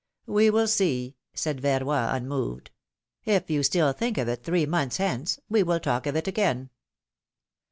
'^ ^^We will see!'' said Verroy, unmoved. ^^If you still think of it three months hence, we will talk of it again."